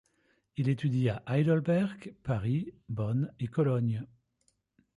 Il étudie à Heidelberg, Paris, Bonn et Cologne.